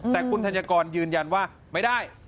แต่คุณธัญกรยืนยันว่าไม่ได้